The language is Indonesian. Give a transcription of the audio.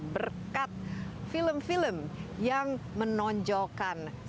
berkat film film yang menonjolkan seni bela diri